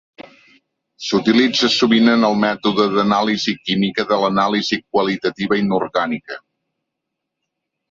S'utilitza sovint en el mètode d'anàlisi química de l'anàlisi qualitativa inorgànica.